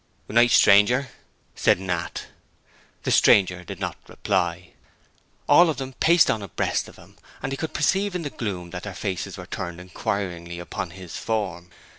'Good night, strainger,' said Nat. The stranger did not reply. All of them paced on abreast of him, and he could perceive in the gloom that their faces were turned inquiringly upon his form.